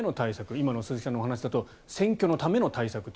今の鈴木さんのお話だと選挙のための対策と。